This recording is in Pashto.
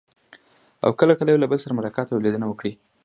او کله کله یو بل سره ملاقات او لیدنه وکړي.